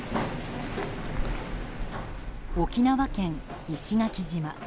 沖縄県石垣島。